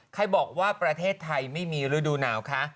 ใครบอกว่าประเทศไทยไม่มีฤดูหนาวคะ